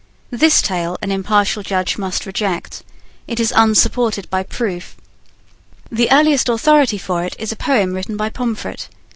This tale an impartial judge must reject. It is unsupported by proof. The earliest authority for it is a poem written by Pomfret.